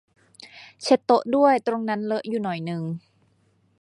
เช็ดโต๊ะด้วย ตรงนั้นเลอะอยู่หน่อยนึง